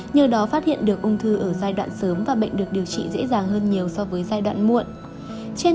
nhờ đó phát hiện được ung thư ở giai đoạn sớm và bệnh được điều trị dễ dàng hơn nhiều so với giai đoạn muộn